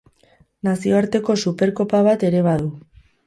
Nazioarteko Superkopa bat ere badu.